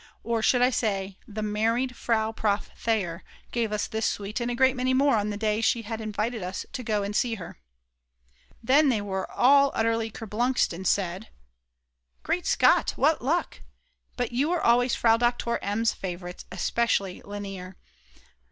or I should say the married Frau Prof. Theyer, gave us this sweet and a great many more on the day she had invited us to go and see her." Then they were all utterly kerblunxed and said: "Great Scott, what luck, but you always were Frau Doktor M.'s favourites, especially Lainer.